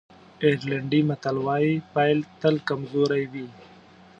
آیرلېنډی متل وایي پيل تل کمزوری وي.